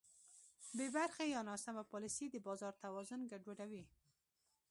بېبرخې یا ناسمه پالیسي د بازار توازن ګډوډوي.